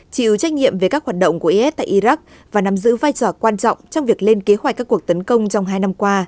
chịu trách nhiệm về các hoạt động của is tại iraq và nắm giữ vai trò quan trọng trong việc lên kế hoạch các cuộc tấn công trong hai năm qua